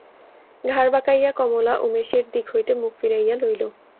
ঘাড় বাঁকাইয়া কমলা উমেশের দিক হইতে মুখ ফিরাইয়া লইল।